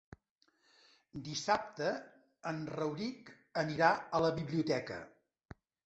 Dissabte en Rauric anirà a la biblioteca.